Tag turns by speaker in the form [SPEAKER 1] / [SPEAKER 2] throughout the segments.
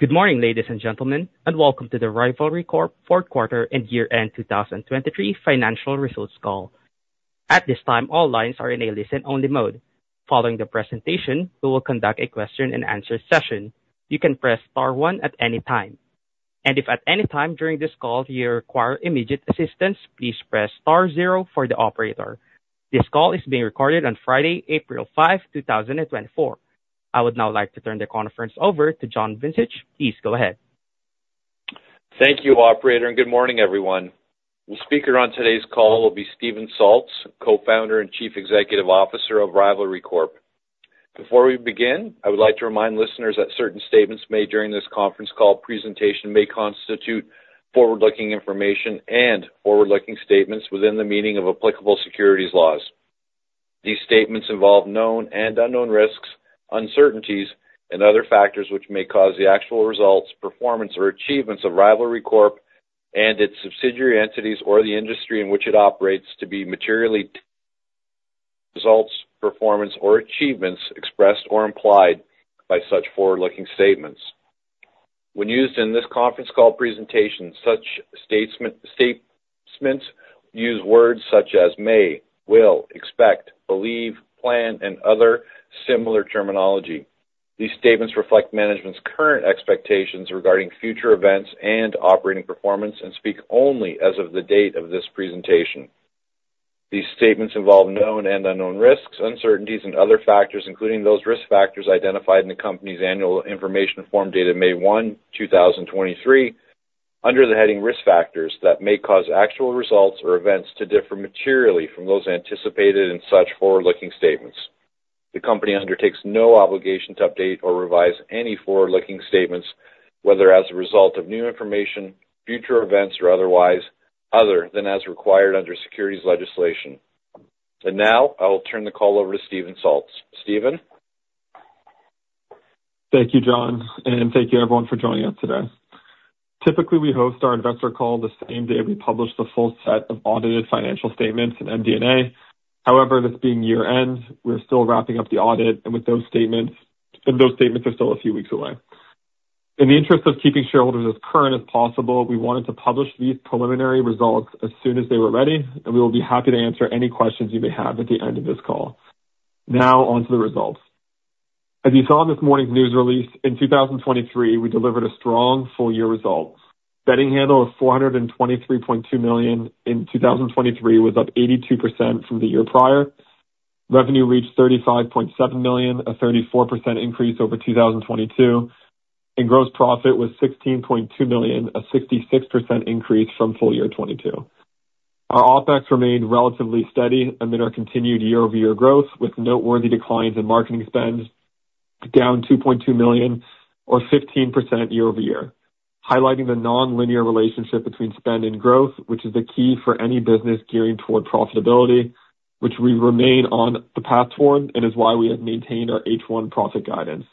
[SPEAKER 1] Good morning, ladies and gentlemen, and welcome to the Rivalry Corp fourth quarter and year-end 2023 financial results call. At this time, all lines are in a listen-only mode. Following the presentation, we will conduct a question-and-answer session. You can press star one at any time. If at any time during this call you require immediate assistance, please press star zero for the operator. This call is being recorded on Friday, April 5, 2024. I would now like to turn the conference over to John Vincic. Please go ahead.
[SPEAKER 2] Thank you, operator, and good morning, everyone. The speaker on today's call will be Steven Salz, Co-founder and Chief Executive Officer of Rivalry Corp. Before we begin, I would like to remind listeners that certain statements made during this conference call presentation may constitute forward-looking information and forward-looking statements within the meaning of applicable securities laws. These statements involve known and unknown risks, uncertainties, and other factors which may cause the actual results, performance, or achievements of Rivalry Corp. and its subsidiary entities or the industry in which it operates to be materially different from the results, performance, or achievements expressed or implied by such forward-looking statements. When used in this conference call presentation, such statements use words such as may, will, expect, believe, plan, and other similar terminology. These statements reflect management's current expectations regarding future events and operating performance and speak only as of the date of this presentation. These statements involve known and unknown risks, uncertainties, and other factors, including those risk factors identified in the company's Annual Information Form dated May 1, 2023, under the heading risk factors that may cause actual results or events to differ materially from those anticipated in such forward-looking statements. The company undertakes no obligation to update or revise any forward-looking statements, whether as a result of new information, future events, or otherwise other than as required under securities legislation. And now I will turn the call over to Steven Salz. Steven?
[SPEAKER 3] Thank you, John, and thank you, everyone, for joining us today. Typically, we host our investor call the same day we publish the full set of audited financial statements and MD&A. However, this being year-end, we're still wrapping up the audit, and those statements are still a few weeks away. In the interest of keeping shareholders as current as possible, we wanted to publish these preliminary results as soon as they were ready, and we will be happy to answer any questions you may have at the end of this call. Now onto the results. As you saw in this morning's news release, in 2023, we delivered a strong full-year result. Betting handle of 423.2 million in 2023 was up 82% from the year prior. Revenue reached 35.7 million, a 34% increase over 2022, and gross profit was 16.2 million, a 66% increase from full year 2022. Our Opex remained relatively steady amid our continued year-over-year growth, with noteworthy declines in marketing spend down 2.2 million or 15% year-over-year, highlighting the nonlinear relationship between spend and growth, which is the key for any business gearing toward profitability, which we remain on the path toward and is why we have maintained our H1 profit guidance.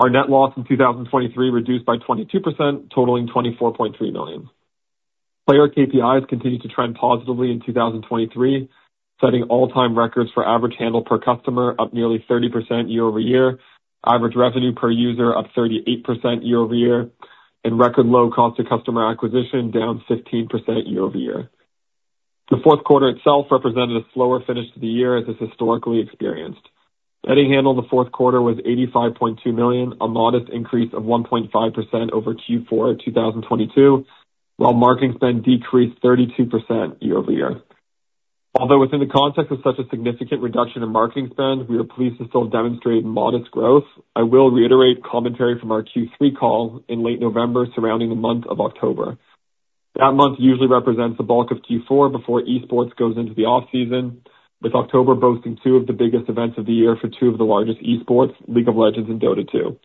[SPEAKER 3] Our net loss in 2023 reduced by 22%, totaling 24.3 million. Player KPIs continued to trend positively in 2023, setting all-time records for average handle per customer up nearly 30% year-over-year, average revenue per user up 38% year-over-year, and record low cost of customer acquisition down 15% year-over-year. The fourth quarter itself represented a slower finish to the year as is historically experienced. Betting handle in the fourth quarter was 85.2 million, a modest increase of 1.5% over Q4 of 2022, while marketing spend decreased 32% year-over-year. Although within the context of such a significant reduction in marketing spend, we are pleased to still demonstrate modest growth. I will reiterate commentary from our Q3 call in late November surrounding the month of October. That month usually represents the bulk of Q4 before esports goes into the off-season, with October boasting two of the biggest events of the year for two of the largest esports, League of Legends, and Dota 2.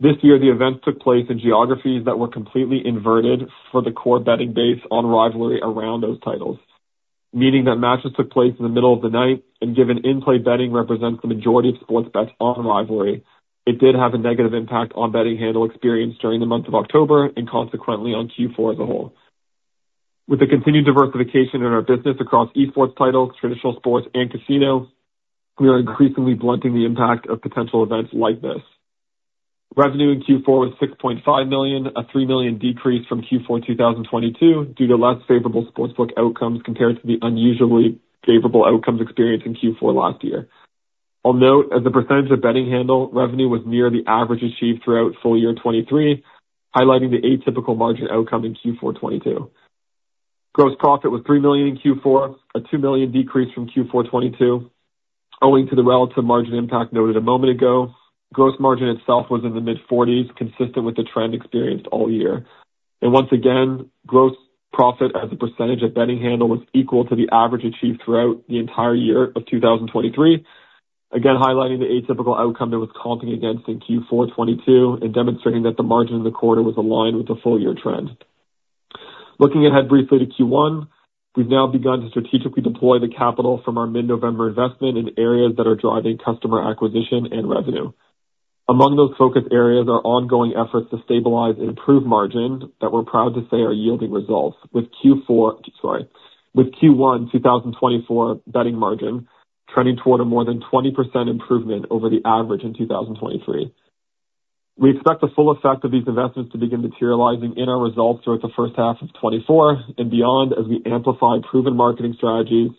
[SPEAKER 3] This year, the events took place in geographies that were completely inverted for the core betting base on Rivalry around those titles, meaning that matches took place in the middle of the night, and given in-play betting represents the majority of sports bets on Rivalry, it did have a negative impact on betting handle experience during the month of October and consequently on Q4 as a whole. With the continued diversification in our business across esports titles, traditional sports, and casino, we are increasingly blunting the impact of potential events like this. Revenue in Q4 was 6.5 million, a 3 million decrease from Q4 2022 due to less favorable sportsbook outcomes compared to the unusually favorable outcomes experienced in Q4 last year. I'll note as the percentage of betting handle revenue was near the average achieved throughout full year 2023, highlighting the atypical margin outcome in Q4 2022. Gross profit was 3 million in Q4, a 2 million decrease from Q4 2022, owing to the relative margin impact noted a moment ago. Gross margin itself was in the mid-40s%, consistent with the trend experienced all year. Once again, gross profit as a percentage of betting handle was equal to the average achieved throughout the entire year of 2023, again highlighting the atypical outcome that was comping against in Q4 2022 and demonstrating that the margin in the quarter was aligned with the full-year trend. Looking ahead briefly to Q1, we've now begun to strategically deploy the capital from our mid-November investment in areas that are driving customer acquisition and revenue. Among those focus areas are ongoing efforts to stabilize and improve margin that we're proud to say are yielding results, with Q1 2024 betting margin trending toward a more than 20% improvement over the average in 2023. We expect the full effect of these investments to begin materializing in our results throughout the first half of 2024 and beyond as we amplify proven marketing strategies,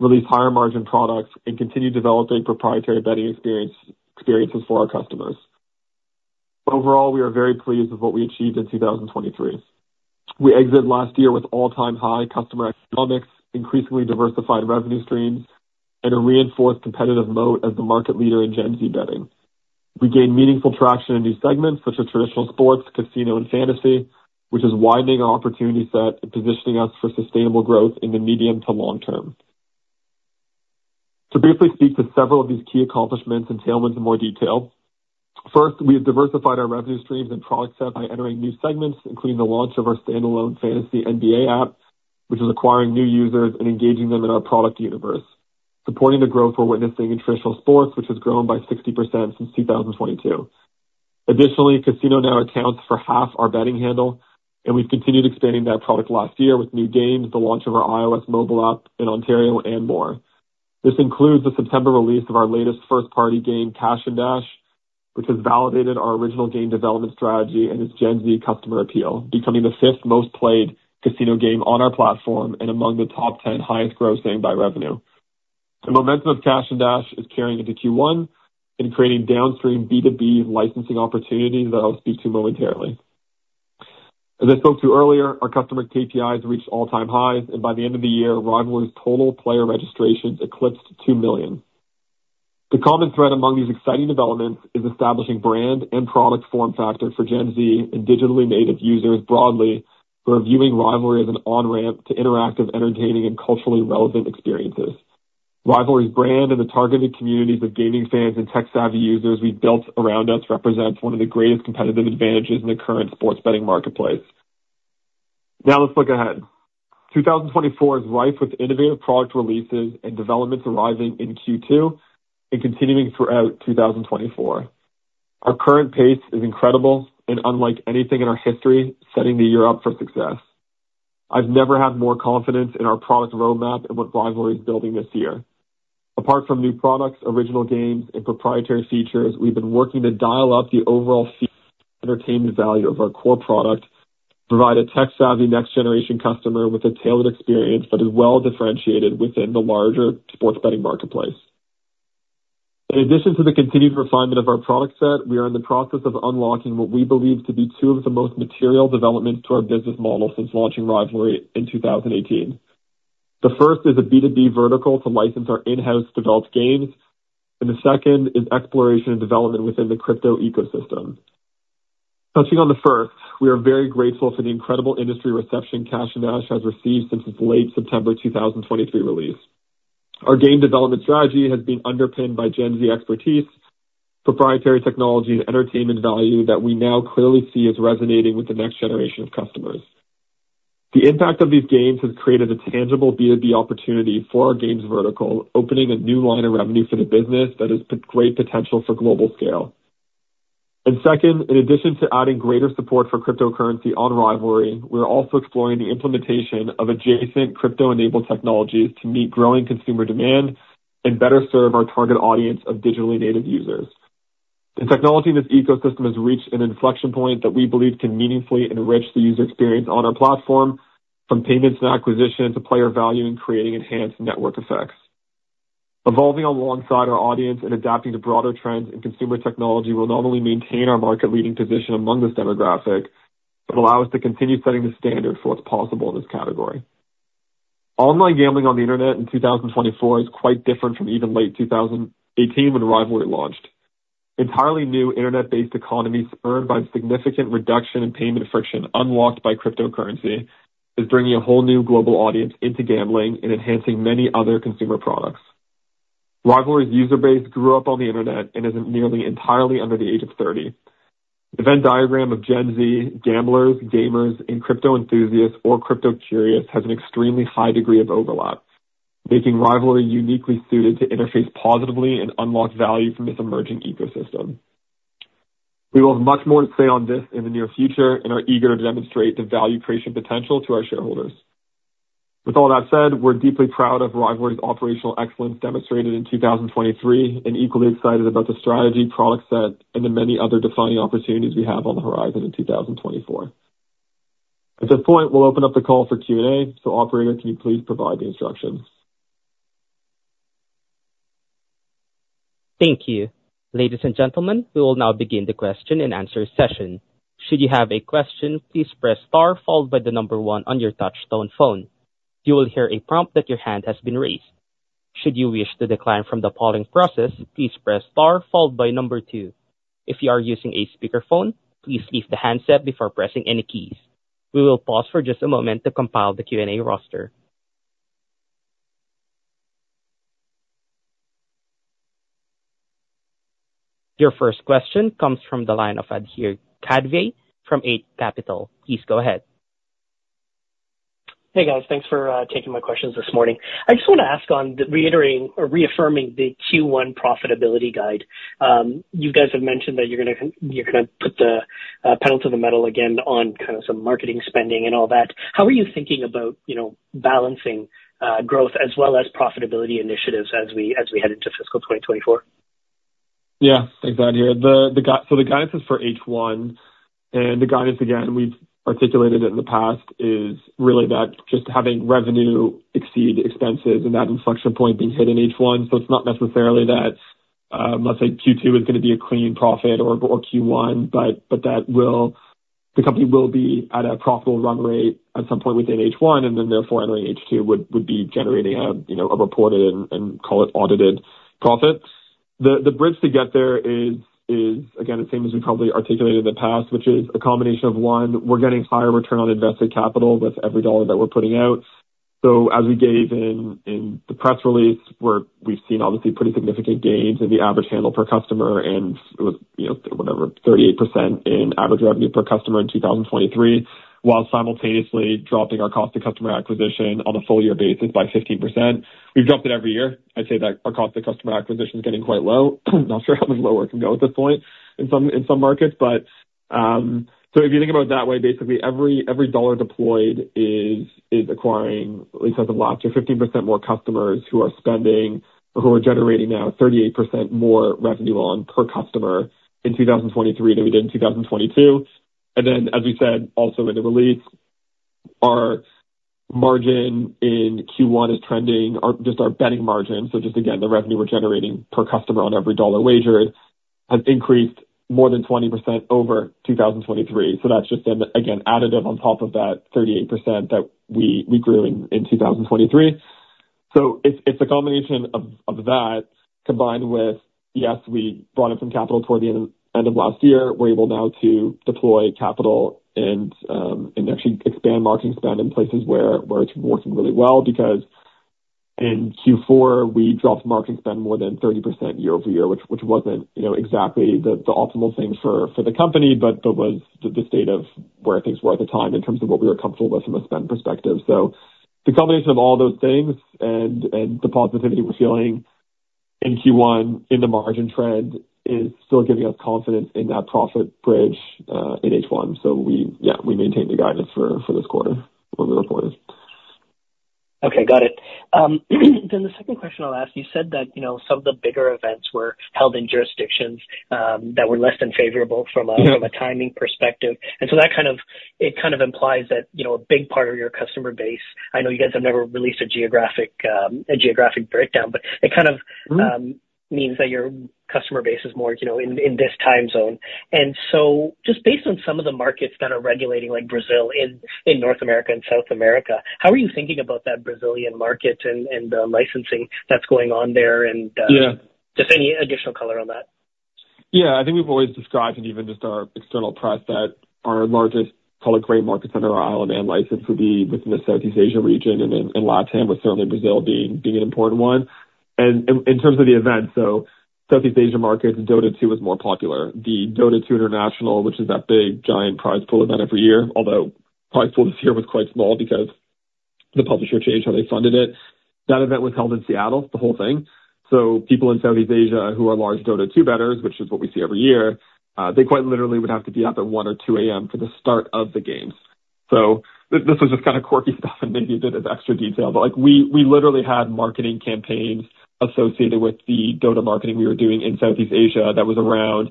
[SPEAKER 3] release higher margin products, and continue developing proprietary betting experiences for our customers. Overall, we are very pleased with what we achieved in 2023. We exited last year with all-time high customer economics, increasingly diversified revenue streams, and a reinforced competitive moat as the market leader in Gen Z betting. We gained meaningful traction in new segments such as traditional sports, casino, and fantasy, which is widening our opportunity set and positioning us for sustainable growth in the medium to long term. To briefly speak to several of these key accomplishments and in more detail. First, we have diversified our revenue streams and product set by entering new segments, including the launch of our standalone fantasy NBA app, which is acquiring new users and engaging them in our product universe, supporting the growth we're witnessing in traditional sports, which has grown by 60% since 2022. Additionally, casino now accounts for half our betting handle, and we've continued expanding that product last year with new games, the launch of our iOS mobile app in Ontario, and more. This includes the September release of our latest first-party game, Cash & Dash, which has validated our original game development strategy and its Gen Z customer appeal, becoming the fifth most played casino game on our platform and among the top 10 highest-grossing by revenue. The momentum of Cash & Dash is carrying into Q1 and creating downstream B2B licensing opportunities that I'll speak to momentarily. As I spoke to earlier, our customer KPIs reached all-time highs, and by the end of the year, Rivalry's total player registrations eclipsed two million. The common thread among these exciting developments is establishing brand and product form factor for Gen Z and digitally native users broadly who are viewing Rivalry as an on-ramp to interactive, entertaining, and culturally relevant experiences. Rivalry's brand and the targeted communities of gaming fans and tech-savvy users we've built around us represents one of the greatest competitive advantages in the current sports betting marketplace. Now let's look ahead. 2024 is rife with innovative product releases and developments arriving in Q2 and continuing throughout 2024. Our current pace is incredible and unlike anything in our history, setting the year up for success. I've never had more confidence in our product roadmap and what Rivalry is building this year. Apart from new products, original games, and proprietary features, we've been working to dial up the overall entertainment value of our core product, provide a tech-savvy next-generation customer with a tailored experience that is well differentiated within the larger sports betting marketplace. In addition to the continued refinement of our product set, we are in the process of unlocking what we believe to be two of the most material developments to our business model since launching Rivalry in 2018. The first is a B2B vertical to license our in-house developed games, and the second is exploration and development within the crypto ecosystem. Touching on the first, we are very grateful for the incredible industry reception Cash & Dash has received since its late September 2023 release. Our game development strategy has been underpinned by Gen Z expertise, proprietary technology, and entertainment value that we now clearly see as resonating with the next generation of customers. The impact of these games has created a tangible B2B opportunity for our games vertical, opening a new line of revenue for the business that has great potential for global scale. And second, in addition to adding greater support for cryptocurrency on Rivalry, we are also exploring the implementation of adjacent crypto-enabled technologies to meet growing consumer demand and better serve our target audience of digitally native users. The technology in this ecosystem has reached an inflection point that we believe can meaningfully enrich the user experience on our platform, from payments and acquisition to player value and creating enhanced network effects. Evolving alongside our audience and adapting to broader trends in consumer technology will not only maintain our market-leading position among this demographic but allow us to continue setting the standard for what's possible in this category. Online gambling on the internet in 2024 is quite different from even late 2018 when Rivalry launched. Entirely new internet-based economies spurred by a significant reduction in payment friction unlocked by cryptocurrency is bringing a whole new global audience into gambling and enhancing many other consumer products. Rivalry's user base grew up on the internet and is nearly entirely under the age of 30. The Venn diagram of Gen Z gamblers, gamers, and crypto enthusiasts or crypto curious has an extremely high degree of overlap, making Rivalry uniquely suited to interface positively and unlock value from this emerging ecosystem. We will have much more to say on this in the near future and are eager to demonstrate the value creation potential to our shareholders. With all that said, we're deeply proud of Rivalry's operational excellence demonstrated in 2023 and equally excited about the strategy, product set, and the many other defining opportunities we have on the horizon in 2024. At this point, we'll open up the call for Q&A. So, operator, can you please provide the instructions?
[SPEAKER 1] Thank you. Ladies and gentlemen, we will now begin the question and answer session. Should you have a question, please press star followed by the number one on your touch-tone phone. You will hear a prompt that your hand has been raised. Should you wish to decline from the polling process, please press star followed by number two. If you are using a speakerphone, please lift the handset before pressing any keys. We will pause for just a moment to compile the Q&A roster. Your first question comes from the line of Adhir Kadve from Eight Capital. Please go ahead.
[SPEAKER 4] Hey, guys. Thanks for taking my questions this morning. I just want to ask on reiterating or reaffirming the Q1 profitability guide. You guys have mentioned that you're going to put the pedal to the metal again on kind of some marketing spending and all that. How are you thinking about balancing growth as well as profitability initiatives as we head into fiscal 2024?
[SPEAKER 3] Yeah. Thanks, Adhir. So the guidance is for H1. And the guidance, again, we've articulated it in the past, is really that just having revenue exceed expenses and that inflection point being hit in H1. So it's not necessarily that, let's say, Q2 is going to be a clean profit or Q1, but that the company will be at a profitable run rate at some point within H1 and then, therefore, entering H2 would be generating a reported and, call it, audited profit. The bridge to get there is, again, the same as we probably articulated in the past, which is a combination of, one, we're getting higher return on invested capital with every dollar that we're putting out. So as we gave in the press release, we've seen, obviously, pretty significant gains in the average handle per customer, and it was, whatever, 38% in average revenue per customer in 2023, while simultaneously dropping our cost of customer acquisition on a full-year basis by 15%. We've dropped it every year. I'd say that our cost of customer acquisition is getting quite low. Not sure how much lower it can go at this point in some markets, but. So if you think about it that way, basically, every dollar deployed is acquiring, at least as of last year, 15% more customers who are spending or who are generating now 38% more revenue on per customer in 2023 than we did in 2022. And then, as we said, also in the release, our margin in Q1 is trending just our betting margin. So just, again, the revenue we're generating per customer on every dollar wagered has increased more than 20% over 2023. So that's just, again, additive on top of that 38% that we grew in 2023. So it's a combination of that combined with, yes, we brought in some capital toward the end of last year. We're able now to deploy capital and actually expand marketing spend in places where it's working really well because in Q4, we dropped marketing spend more than 30% year over year, which wasn't exactly the optimal thing for the company but was the state of where things were at the time in terms of what we were comfortable with from a spend perspective. So the combination of all those things and the positivity we're feeling in Q1 in the margin trend is still giving us confidence in that profit bridge in H1. Yeah, we maintained the guidance for this quarter when we reported.
[SPEAKER 4] Okay. Got it. Then the second question I'll ask, you said that some of the bigger events were held in jurisdictions that were less than favorable from a timing perspective. And so that kind of it kind of implies that a big part of your customer base. I know you guys have never released a geographic breakdown, but it kind of means that your customer base is more in this time zone. And so just based on some of the markets that are regulating like Brazil in North America and South America, how are you thinking about that Brazilian market and the licensing that's going on there and just any additional color on that?
[SPEAKER 3] Yeah. I think we've always described and even just our external press that our largest, call it, gray markets under our Isle of Man license would be within the Southeast Asia region, and LATAM, with certainly Brazil being an important one. And in terms of the events, so Southeast Asia markets, Dota 2 was more popular. The Dota 2 International, which is that big giant prize pool event every year, although prize pool this year was quite small because the publisher changed how they funded it, that event was held in Seattle, the whole thing. So people in Southeast Asia who are large Dota 2 bettors, which is what we see every year, they quite literally would have to be up at 1:00 A.M. or 2:00 A.M. for the start of the games. So this was just kind of quirky stuff and maybe a bit of extra detail, but we literally had marketing campaigns associated with the Dota marketing we were doing in Southeast Asia that was around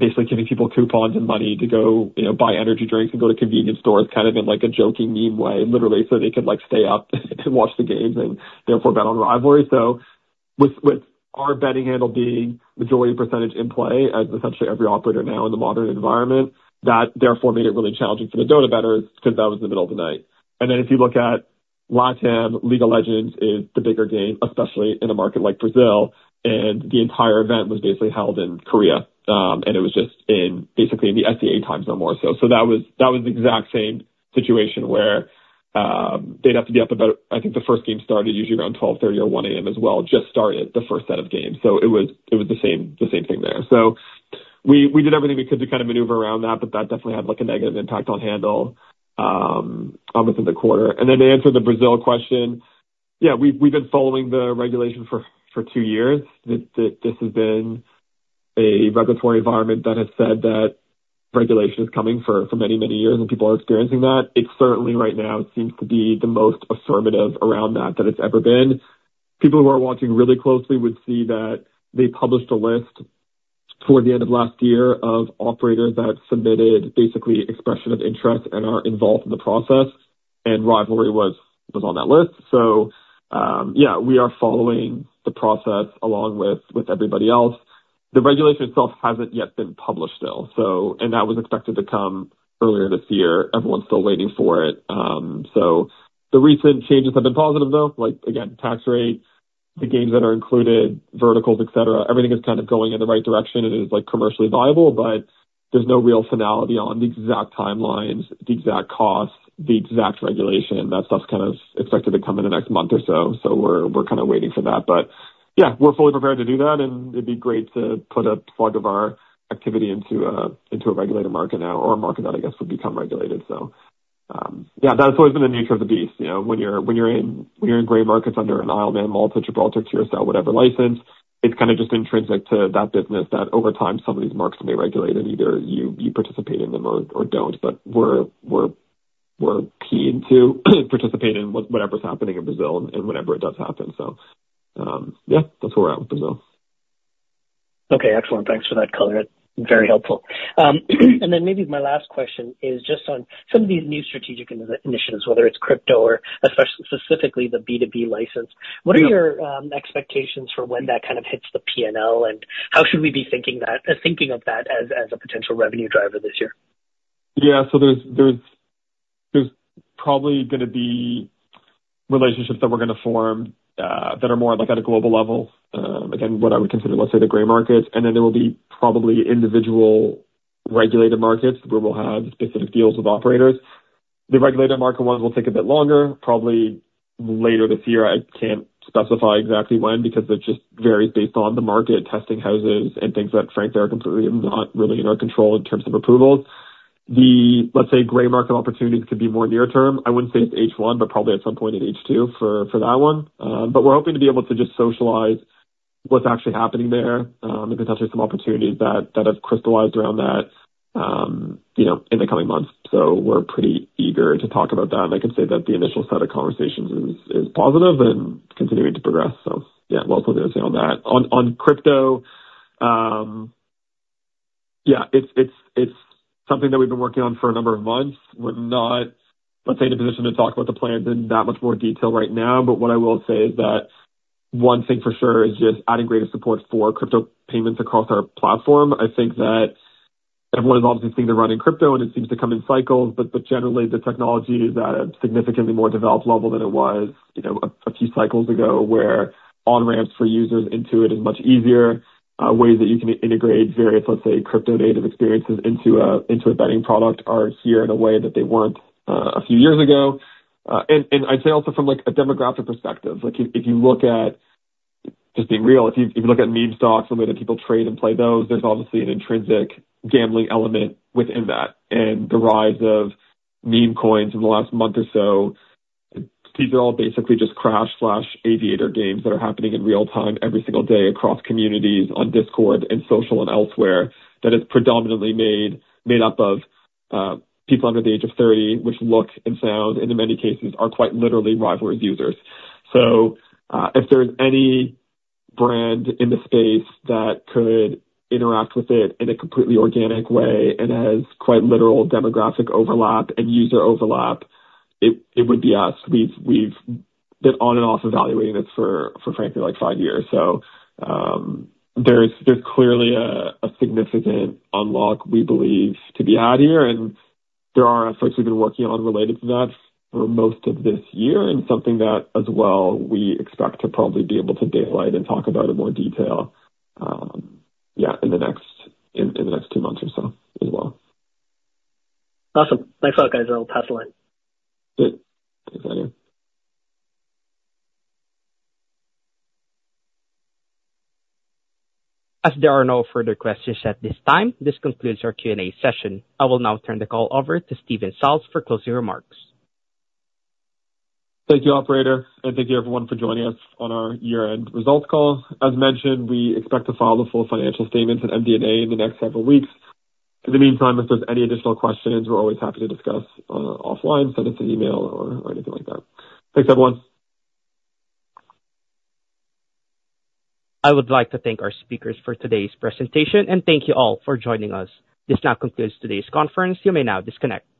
[SPEAKER 3] basically giving people coupons and money to go buy energy drinks and go to convenience stores kind of in a joking meme way, literally, so they could stay up and watch the games and, therefore, bet on Rivalry. So with our betting handle being majority percentage in play as essentially every operator now in the modern environment, that, therefore, made it really challenging for the Dota bettors because that was in the middle of the night. And then if you look at LATAM, League of Legends is the bigger game, especially in a market like Brazil. And the entire event was basically held in Korea, and it was just basically in the SEA time zone more. So that was the exact same situation where they'd have to be up a bit. I think the first game started usually around 12:30 A.M. or 1:00 A.M. as well, just started the first set of games. So it was the same thing there. So we did everything we could to kind of maneuver around that, but that definitely had a negative impact on handle within the quarter. And then to answer the Brazil question, yeah, we've been following the regulation for two years. This has been a regulatory environment that has said that regulation is coming for many, many years, and people are experiencing that. It certainly, right now, seems to be the most affirmative around that that it's ever been. People who are watching really closely would see that they published a list toward the end of last year of operators that submitted basically expression of interest and are involved in the process, and Rivalry was on that list. So yeah, we are following the process along with everybody else. The regulation itself hasn't yet been published still, and that was expected to come earlier this year. Everyone's still waiting for it. So the recent changes have been positive, though. Again, tax rate, the games that are included, verticals, etc., everything is kind of going in the right direction, and it is commercially viable, but there's no real finality on the exact timelines, the exact costs, the exact regulation. That stuff's kind of expected to come in the next month or so. So we're kind of waiting for that. But yeah, we're fully prepared to do that, and it'd be great to put a plug of our activity into a regulated market now or a market that, I guess, would become regulated. So yeah, that's always been the nature of the beast. When you're in gray markets under an Isle of Man, Malta, Gibraltar, Curaçao, whatever license, it's kind of just intrinsic to that business that over time, some of these markets may regulate and either you participate in them or don't. But we're keen to participate in whatever's happening in Brazil and whenever it does happen. So yeah, that's where we're at with Brazil.
[SPEAKER 4] Okay. Excellent. Thanks for that color. Very helpful. And then maybe my last question is just on some of these new strategic initiatives, whether it's crypto or specifically the B2B license. What are your expectations for when that kind of hits the P&L, and how should we be thinking of that as a potential revenue driver this year?
[SPEAKER 3] Yeah. So there's probably going to be relationships that we're going to form that are more at a global level, again, what I would consider, let's say, the gray markets. And then there will be probably individual regulated markets where we'll have specific deals with operators. The regulated market ones will take a bit longer. Probably later this year. I can't specify exactly when because it just varies based on the market, testing houses, and things that, frankly, are completely not really in our control in terms of approvals. The, let's say, gray market opportunities could be more near term. I wouldn't say it's H1, but probably at some point in H2 for that one. But we're hoping to be able to just socialize what's actually happening there and potentially some opportunities that have crystallized around that in the coming months. So we're pretty eager to talk about that. And I can say that the initial set of conversations is positive and continuing to progress. So yeah, we'll also do the same on that. On crypto, yeah, it's something that we've been working on for a number of months. We're not, let's say, in a position to talk about the plans in that much more detail right now. But what I will say is that one thing for sure is just adding greater support for crypto payments across our platform. I think that everyone is obviously seeing the run in crypto, and it seems to come in cycles. But generally, the technology is at a significantly more developed level than it was a few cycles ago where on-ramps for users into it is much easier. Ways that you can integrate various, let's say, crypto-native experiences into a betting product are here in a way that they weren't a few years ago. And I'd say also from a demographic perspective, if you look at just being real, if you look at meme stocks, the way that people trade and play those, there's obviously an intrinsic gambling element within that and the rise of meme coins in the last month or so. These are all basically just crash/Aviator games that are happening in real time every single day across communities on Discord and social and elsewhere that is predominantly made up of people under the age of 30, which look and sound, in many cases, are quite literally Rivalry's users. So if there's any brand in the space that could interact with it in a completely organic way and has quite literal demographic overlap and user overlap, it would be us. We've been on and off evaluating this for, frankly, like five years. So there's clearly a significant unlock, we believe, to be had here. And there are efforts we've been working on related to that for most of this year and something that, as well, we expect to probably be able to daylight and talk about in more detail, yeah, in the next two months or so as well.
[SPEAKER 4] Awesome. Thanks a lot, guys. I'll pass the line.
[SPEAKER 3] Good. Thanks, Adhir.
[SPEAKER 1] As there are no further questions at this time, this concludes our Q&A session. I will now turn the call over to Steven Salz for closing remarks.
[SPEAKER 3] Thank you, operator. Thank you, everyone, for joining us on our year-end results call. As mentioned, we expect to file the full financial statements and MD&A in the next several weeks. In the meantime, if there's any additional questions, we're always happy to discuss offline. Send us an email or anything like that. Thanks, everyone.
[SPEAKER 1] I would like to thank our speakers for today's presentation, and thank you all for joining us. This now concludes today's conference. You may now disconnect.